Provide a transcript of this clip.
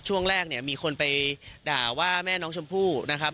ช่วงแรกเนี่ยมีคนไปด่าว่าแม่น้องชมพู่นะครับ